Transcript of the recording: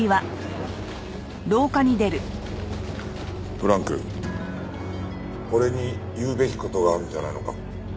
ブランク俺に言うべき事があるんじゃないのか？